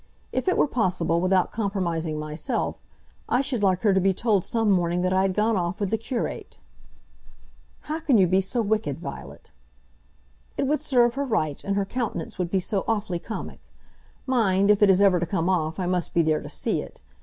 If it were possible, without compromising myself, I should like her to be told some morning that I had gone off with the curate." "How can you be so wicked, Violet!" "It would serve her right, and her countenance would be so awfully comic. Mind, if it is ever to come off, I must be there to see it.